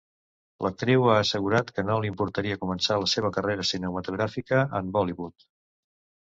L'actriu ha assegurat que no li importaria començar la seva carrera cinematogràfica en Bollywood.